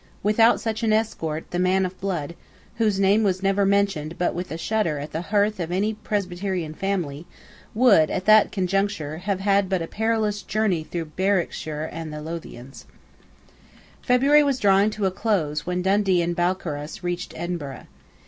Without such an escort the man of blood, whose name was never mentioned but with a shudder at the hearth of any Presbyterian family, would, at that conjuncture, have had but a perilous journey through Berwickshire and the Lothians, February was drawing to a close when Dundee and Balcarras reached Edinburgh.